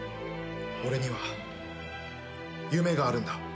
俺には夢があるんだ。